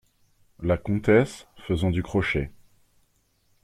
La Comtesse , faisant du crochet.